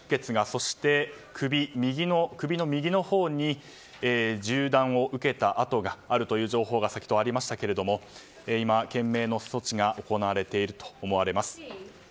そして、首の右のほうに銃弾を受けた跡があるという情報が先ほど、ありましたけれども今、懸命の措置が行われていると思われます。